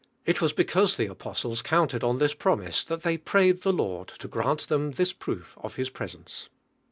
I.f was because the apostles counted on this premise that they prayed the Lord to gran! them this proof of His presence.